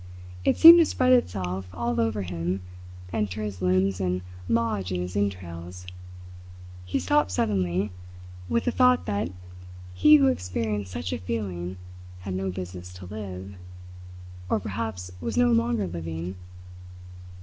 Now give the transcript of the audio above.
It seemed to spread itself all over him, enter his limbs, and lodge in his entrails. He stopped suddenly, with a thought that he who experienced such a feeling had no business to live or perhaps was no longer living.